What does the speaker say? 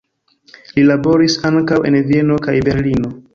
Li laboris ankaŭ en Vieno kaj Berlino.